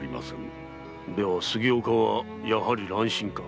では杉岡はやはり乱心か。